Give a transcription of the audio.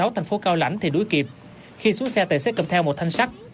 thành phố cao lãnh thì đuối kịp khi xuống xe tài xế cầm theo một thanh sắt